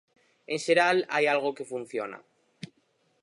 En xeral hai algo que funciona.